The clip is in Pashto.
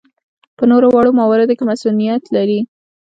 په نورو واړه مواردو کې مصنوعیت و.